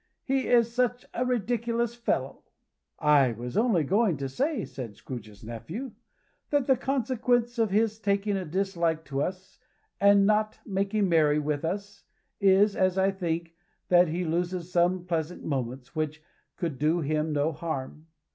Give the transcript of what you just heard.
He is such a ridiculous fellow!" "I was only going to say," said Scrooge's nephew, "that the consequence of his taking a dislike to us, and not making merry with us, is, as I think, that he loses some pleasant moments, which could do him no harm.